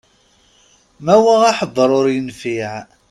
Mawa aḥebber ur yenfiɛ.